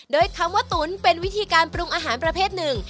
โดยคำว่าตุ๋นเป็นวิธีการปรุงอาหารประเภทหนึ่ง